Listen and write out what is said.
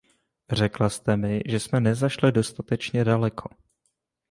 Řekla jste mi, že jsme nezašli dostatečně daleko.